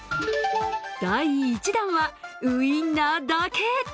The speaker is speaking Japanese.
第１弾はウインナーだけ。